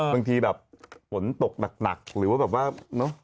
บางทีแบบฝนตกหนักหรือว่าแบบว่าเนอะ